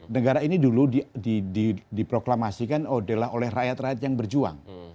negara ini dulu diproklamasikan adalah oleh rakyat rakyat yang berjuang